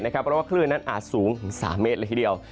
เพราะว่าคลื่นนั้นอาจสูงถึง๓เมตรเลยทีเดียว